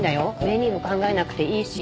メニューも考えなくていいし。